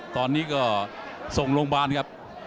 ตอนนี้ก็ส่งโรงพยาบาลครับ